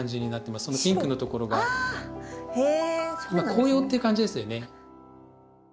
紅葉っていう感じですよね。